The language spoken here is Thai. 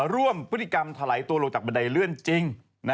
ร่วมพฤติกรรมถลายตัวลงจากบันไดเลื่อนจริง